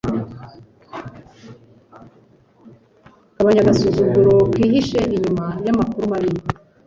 gabanya agasuzuguro kihishe inyuma Y'AMAKURU mabi